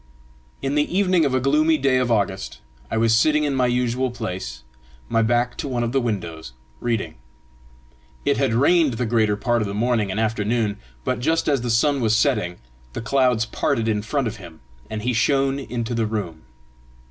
In the evening of a gloomy day of August I was sitting in my usual place, my back to one of the windows, reading. It had rained the greater part of the morning and afternoon, but just as the sun was setting, the clouds parted in front of him, and he shone into the room.